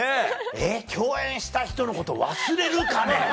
共演した人のこと忘れるかね？